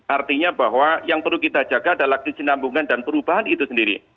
artinya bahwa yang perlu kita jaga adalah kesinambungan dan perubahan itu sendiri